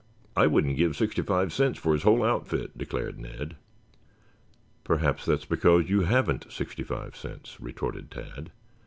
"I wouldn't give sixty five cents for his whole outfit," declared Ned. "Perhaps that is because you haven't sixty five cents," retorted Tad.